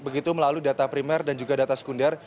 begitu melalui data primer dan juga data sekunder